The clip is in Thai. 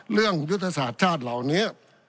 เรื่องยุตสาธิ์ชาติเหล่านี้